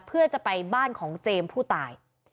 เพื่อจะไปบ้านของเจมส์ผู้ตาย